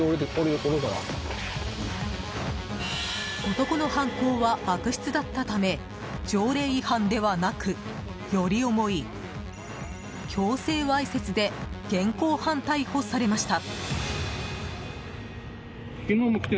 男の犯行は悪質だったため条例違反ではなく、より重い強制わいせつで現行犯逮捕されました。